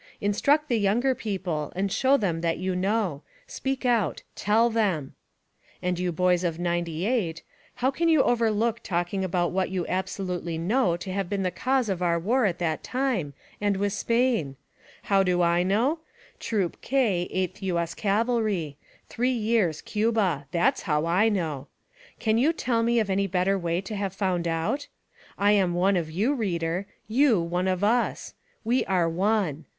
Instruct the younger people, and show them that you know ; speak out! TeH them! And you boys of '98. How can you overlook talking about what j^ou absolutely know to have been the cause of our war at that time, and with Spain? How do I know? Troop K, 8th U. S. Cavalry. Three years, Cuba. That is how I know. Can you tell me of any better way to have found out? I am one of you, reader; you, one of us. We are ONE.